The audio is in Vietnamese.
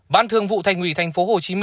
ban thường vụ thành ủy tp hcm